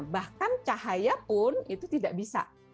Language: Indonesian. bahkan cahaya pun itu tidak bisa